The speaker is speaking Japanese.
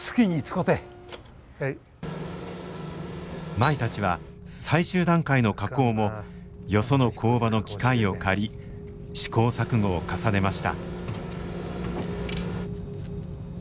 舞たちは最終段階の加工もよその工場の機械を借り試行錯誤を重ねました。